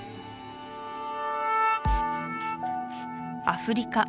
アフリカ